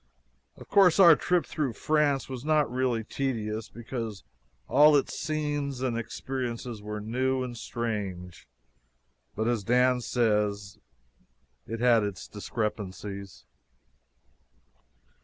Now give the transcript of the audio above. Of course our trip through France was not really tedious because all its scenes and experiences were new and strange; but as Dan says, it had its "discrepancies."